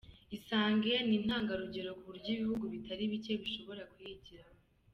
Isange ni intangarugero ku buryo ibihugu bitari bike bishobora kuyigiraho."